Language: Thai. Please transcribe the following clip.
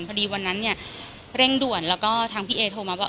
วันนั้นเนี่ยเร่งด่วนแล้วก็ทางพี่เอโทรมาว่า